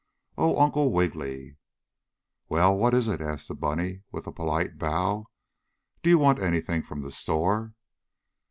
"Oh, Uncle Wiggily!" "Well, what is it?" asked the bunny with a polite bow. "Do you want anything from the store?"